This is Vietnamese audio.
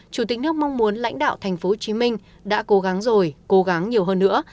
chủ tịch nước mong muốn lãnh đạo tp hcm đã cố gắng rồi cố gắng nhiều hơn nữa